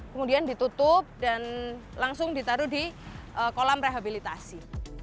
kemudian ditutup dan langsung ditaruh di kolam rehabilitasi